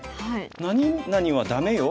何々はダメよ。